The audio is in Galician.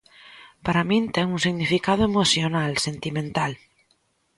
Para min ten un significado emocional, sentimental...